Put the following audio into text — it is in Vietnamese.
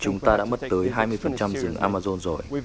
chúng ta đã mất tới hai mươi diện tích rừng amazon rồi